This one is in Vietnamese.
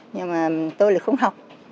nhưng mà tôi lại không học